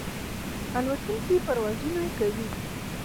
الوتکې پروازونه کوي.